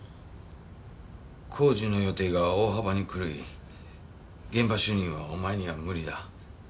工事の予定が大幅に狂い「現場主任はお前には無理だ。